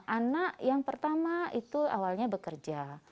anak yang pertama itu awalnya bekerja